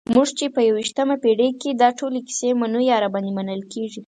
موږ چې په یویشتمه پېړۍ کې دا ټولې کیسې منو یا راباندې منل کېږي.